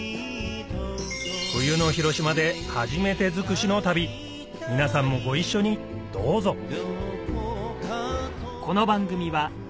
冬の広島で初めて尽くしの旅皆さんもご一緒にどうぞＪＲ宮